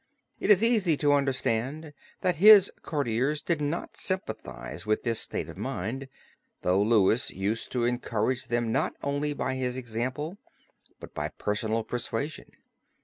It is easy to understand that his courtiers did not sympathize with this state of mind, though Louis used to encourage them not only by his example but by personal persuasion.